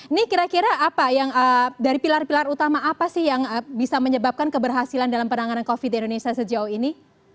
ini kira kira apa yang dari pilar pilar utama apa sih yang bisa menyebabkan keberhasilan dalam penanganan covid di indonesia sejauh ini